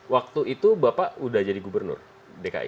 waktu itu bapak udah jadi gubernur dki